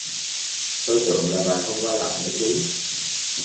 Tôi tưởng là bà không quay lại nữa chứ